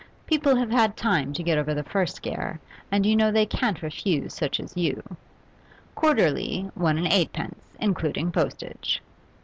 People have had time to get over the first scare, and you know they can't refuse such as you. Quarterly, one and eightpence, including postage.